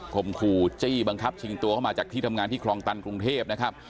ขอบคุและจี้บังคับเช็งตัวมาจากที่ทำงานพี่คลองตันกรุงเทพนะครับ